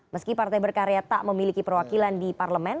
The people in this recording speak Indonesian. meski partai berkarya tak memiliki perwakilan di parlemen